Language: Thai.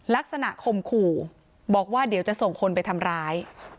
ข่มขู่บอกว่าเดี๋ยวจะส่งคนไปทำร้าย